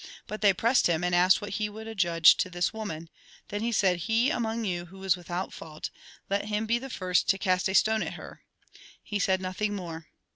But they pressed him, and asked what he would adjudge to this woman. Then he said :" He among you who is without fault, let him be the first to cast a stone at her." He said nothing more.